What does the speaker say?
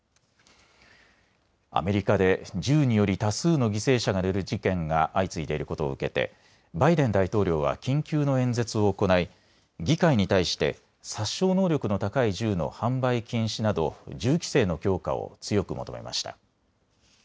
アメリカで銃により多数の犠牲者が出る事件が相次いでいることを受けてバイデン大統領は緊急の演説を行い議会に対して殺傷能力の高い銃の販売禁止など銃規制の強化を強く求めました。